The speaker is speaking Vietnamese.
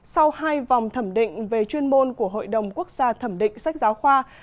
sau hai vòng thẩm định về chuyên môn của hội đồng quốc gia thẩm định sách giáo khoa